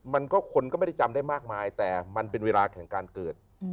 มันก็คนก็ไม่ได้จำได้มากมายแต่มันเป็นเวลาแข่งการเกิด